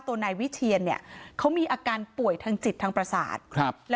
ตัวนายวิเทียนเขามีอาการป่วยทางจิตทางประศาจ